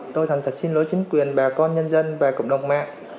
tôi thật xin lỗi chính quyền bà con nhân dân và cộng đồng mạng